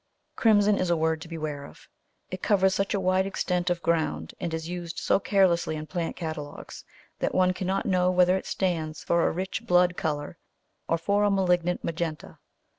Crimson is a word to beware of; it covers such a wide extent of ground, and is used so carelessly in plant catalogues, that one cannot know whether it stands for a rich blood colour or for a malignant magenta.